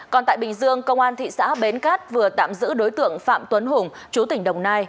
còn tại bình dương công an thị xã bến cát vừa tạm giữ đối tượng phạm tuấn hùng chú tỉnh đồng nai